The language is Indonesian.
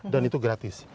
dan itu gratis